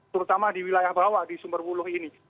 terutama di wilayah bawah di sumber buluh ini